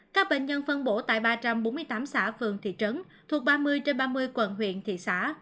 các bệnh nhân phân bổ tại ba trăm bốn mươi tám xã phường thị trấn thuộc ba mươi trên ba mươi quận huyện thị xã